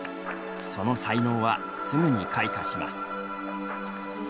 その才能は、すぐに開花します。